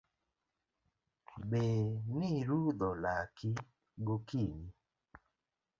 Be nirudho laki gokinyi?